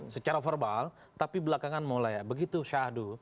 secara verbal tapi belakangan mulai begitu syahdu